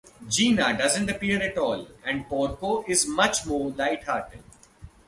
Gina doesn't appear at all, and Porco is much more lighthearted.